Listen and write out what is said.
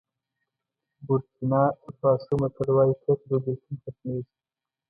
بورکېنا فاسو متل وایي کرکه په بېلتون ختمېږي.